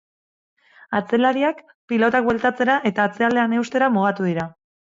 Atzelariak pilotak bueltatzera eta atzealdean eustera mugatu dira.